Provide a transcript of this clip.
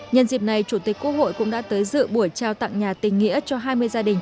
nhân dịp này chủ tịch quốc hội cũng đã tới dự buổi trao tặng nhà tình nghĩa cho hai mươi gia đình